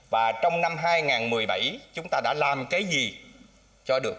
và trong năm hai nghìn một mươi bảy chúng ta đã làm cái gì cho được